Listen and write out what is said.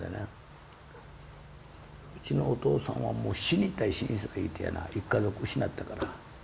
うちのお父さんはもう死にたい死にたいって言うてやな一家族失ったから。